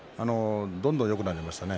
どんどんよくなりましたね。